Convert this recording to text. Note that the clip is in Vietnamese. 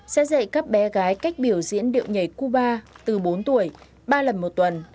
sẽ dạy các bé gái cách biểu diễn điệu nhảy cuba từ bốn tuổi ba lần một tuần